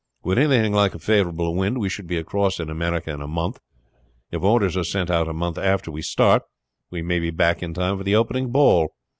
With anything like a favorable wind we should be across in America in a month. If orders are sent out a month after we start we may be back in time for the opening ball.